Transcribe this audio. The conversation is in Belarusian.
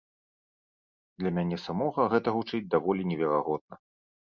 Для мяне самога гэта гучыць даволі неверагодна.